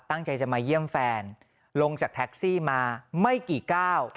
ตั้งใจจะมาเยี่ยมแฟนลงจากแท็กซี่มาไม่กี่ก้าว